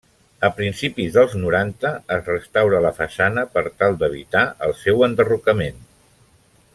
A principis dels noranta es restaura la façana per tal d'evitar el seu enderrocament.